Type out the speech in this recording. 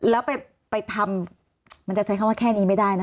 แล้วไปทำมันจะใช้คำว่าแค่นี้ไม่ได้นะ